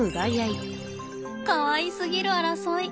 かわいすぎる争い。